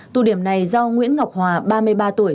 tụ điểm này do nguyễn ngọc hòa ba mươi ba tuổi